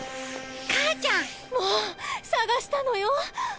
母ちゃん！もうっ捜したのよ！